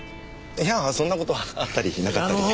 いやぁそんな事はあったりなかったりで。